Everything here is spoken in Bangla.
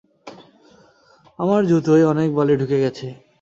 আমার জুতোয় অনেক বালি ঢুকে গেছে!